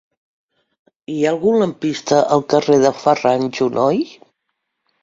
Hi ha algun lampista al carrer de Ferran Junoy?